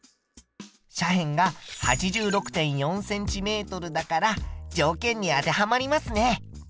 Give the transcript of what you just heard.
斜辺が８６．４ｃｍだから条件に当てはまりますね。